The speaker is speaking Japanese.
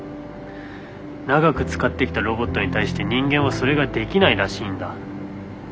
長く使ってきたロボットに対して人間はそれができないらしいんだ。